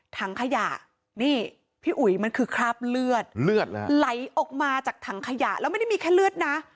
ถังขยะนี่พี่อุ๋ยมันคือคราบเลือดเลือดไหลออกมาจากถังขยะแล้วไม่ได้มีแค่เลือดนะ